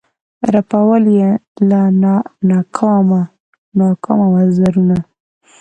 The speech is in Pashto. رپول یې له ناکامه وزرونه